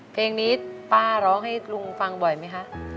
เพลงนี้ป้าร้องให้ลุงฟังบ่อยไหมคะ